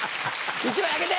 １枚あげて！